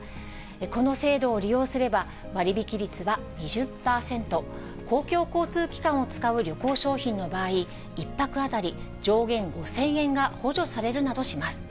この制度を利用すれば、割引率は２０％、公共交通機関を使う旅行商品の場合、１泊当たり上限５０００円が補助されるなどします。